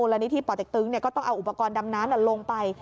และนิธิป่อเต็กตึงก็ต้องเอาอุปกรณ์ดำน้ำลงไป